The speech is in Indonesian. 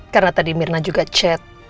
karena tadi mirna juga chat